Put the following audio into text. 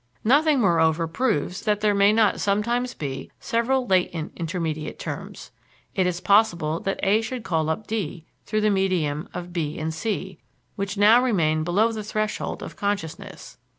Nothing, moreover, proves that there may not sometimes be several latent intermediate terms. It is possible that A should call up D through the medium of b and c, which remain below the threshold of consciousness.